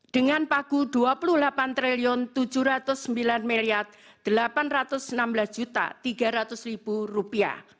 dengan pagu rp dua puluh delapan tujuh ratus sembilan delapan ratus enam belas tiga ratus